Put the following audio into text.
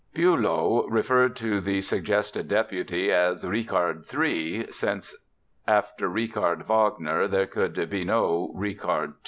Bülow referred to the suggested deputy as "Richard III", since after Richard Wagner, "there could be no Richard II."